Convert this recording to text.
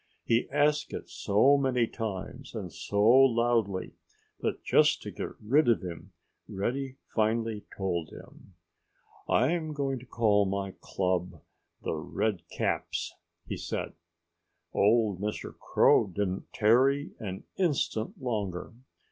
He asked it so many times and so loudly that just to get rid of him Reddy finally told him. "I'm going to call my club 'The Redcaps,'" he said. Old Mr. Crow didn't tarry an instant longer.